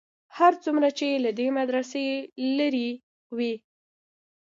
هر څومره چې له دې مدرسې لرې وې.